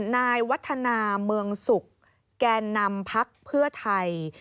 นายวัฒนาเมืองสุขแก่นำพักเพื่อไทย